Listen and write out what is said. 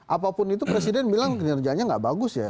apapun itu presiden bilang kinerjanya nggak bagus ya